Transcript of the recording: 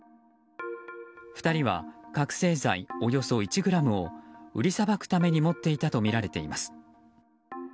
２人は覚醒剤およそ１ｇを売りさばくために持っていたとみられています。